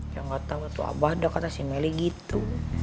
ya gak tau tuh abah dah kata si meli gitu